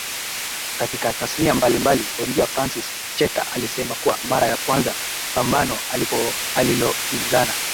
katika tasnia mbalimbali Bondia Francis Cheka alisema kwa mara ya kwanza pambano alilopigana